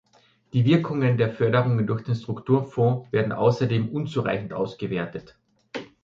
Die Wirkungen der Förderung durch den Strukturfonds werden außerdem unzureichend ausgewertet.